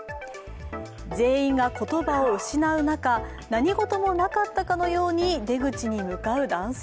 全員が言葉を失う中、何事もなかったかのように出口に向かう男性。